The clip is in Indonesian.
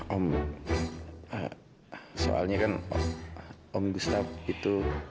om soalnya kan om gustaf itu